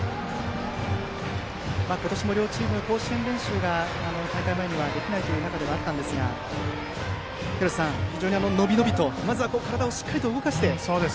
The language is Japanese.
今年も両チーム、甲子園練習が大会前にはできないという中ではあったんですが廣瀬さん、非常に伸び伸びとまずしっかり体を動かして。